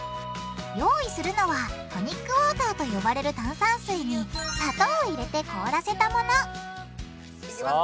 用意するのはトニックウォーターと呼ばれる炭酸水に砂糖を入れて凍らせたものさあ